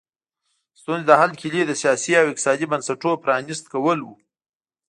د ستونزې د حل کیلي د سیاسي او اقتصادي بنسټونو پرانیست کول وو.